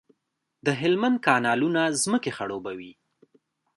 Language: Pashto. د هلمند کانالونه ځمکې خړوبوي.